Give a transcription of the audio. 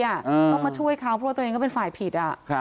ต้องมาช่วยเขาเพราะว่าตัวเองก็เป็นฝ่ายผิด